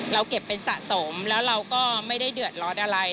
เก็บเป็นสะสมแล้วเราก็ไม่ได้เดือดร้อนอะไร